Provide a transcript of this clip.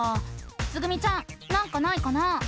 つぐみちゃんなんかないかな？